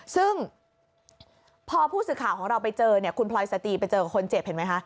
ซึ่งพอผู้สื่อข่าวของเราไปเจอเนี่ยคุณพลอยสตีไปเจอคนเจ็บเห็นไหมคะ